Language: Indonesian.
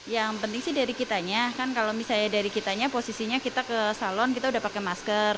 yang penting sih dari kitanya kan kalau misalnya dari kitanya posisinya kita ke salon kita udah pakai masker